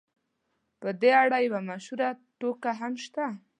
په دې اړه یوه مشهوره ټوکه هم شته.